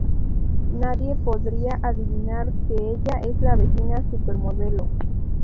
Nadie podría adivinar que ella es la vecina supermodelo.